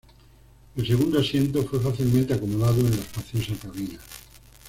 El segundo asiento fue fácilmente acomodado en la espaciosa cabina.